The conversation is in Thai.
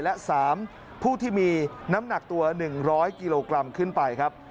และ๓ผู้ที่มีน้ำหนักตัว๑๐๐กิโลกรัมขึ้นไปครับ